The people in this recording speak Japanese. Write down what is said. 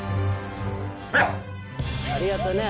ありがとね